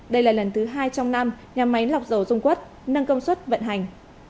đây là lần thứ hai trong năm nhà máy lọc dầu dung quất nâng công suất vận hành